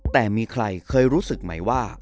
แต่มีใครเคยรู้สึกไหมว่า